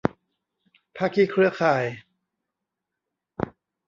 ภาคีเครือข่าย